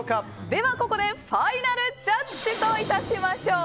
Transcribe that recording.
ではここでファイナルジャッジといたしましょう。